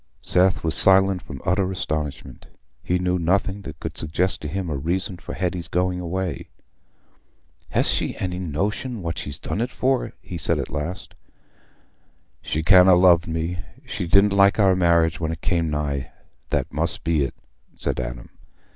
Seth was silent from utter astonishment: he knew nothing that could suggest to him a reason for Hetty's going away. "Hast any notion what she's done it for?" he said, at last. "She can't ha' loved me. She didn't like our marriage when it came nigh—that must be it," said Adam.